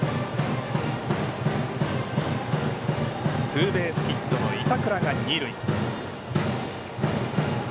ツーベースヒットの板倉が二塁。